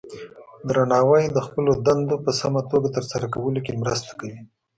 درناوی د خپلو دندو په سمه توګه ترسره کولو کې مرسته کوي.